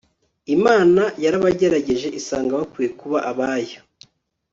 imana yarabagerageje isanga bakwiye kuba abayo